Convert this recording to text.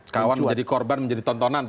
kawan menjadi korban menjadi tontonan